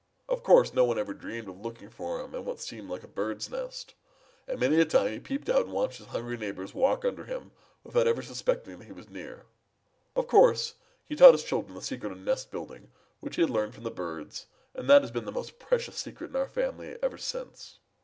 Of course, no one ever dreamed of looking for him in what seemed like a bird's nest, and many a time he peeped out and watched his hungry neighbors walk right under him without ever suspecting that he was near. "Of course, he taught his children the secret of nest building which he had learned from the birds, and that has been the most precious secret in our family ever since.